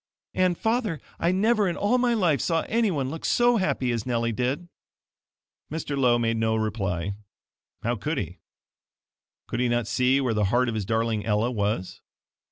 And, father, I never in all my life saw anyone look so happy as Nellie did." Mr. Lowe made no reply how could he? Could he not see where the heart of his darling Ella was?